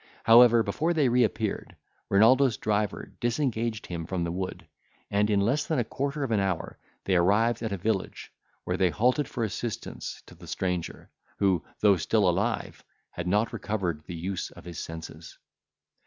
However, before they reappeared, Renaldo's driver disengaged him from the wood, and in less than a quarter of an hour they arrived at a village, where they halted for assistance to the stranger, who, though still alive, had not recovered the use of his senses.